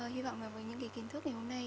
hy vọng là với những cái kiến thức ngày hôm nay